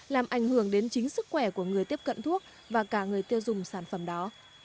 làm ảnh hưởng đến chính sức khỏe của người tiếp cận thuốc và cả người tiêu dùng sản phẩm đó